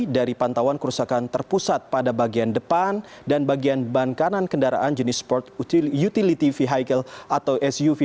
dari pantauan kerusakan terpusat pada bagian depan dan bagian ban kanan kendaraan jenis sport utility vehicle atau suv